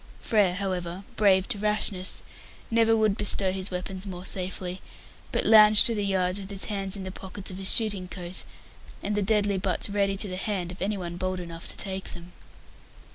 Frere, however, brave to rashness, never would bestow his weapons more safely, but lounged through the yard with his hands in the pockets of his shooting coat, and the deadly butts ready to the hand of anyone bold enough to take them.